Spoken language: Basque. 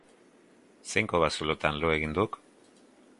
Zein kobazulotan lo egin duk?